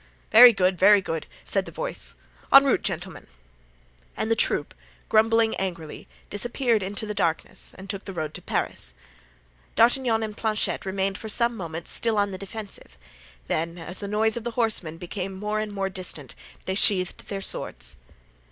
"Very good, very good," said the voice. "En route, gentlemen." And the troop, grumbling angrily, disappeared in the darkness and took the road to Paris. D'Artagnan and Planchet remained for some moments still on the defensive; then, as the noise of the horsemen became more and more distant, they sheathed their swords.